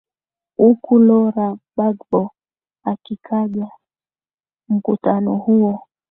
uku lora bagbo akikaja mkutano huo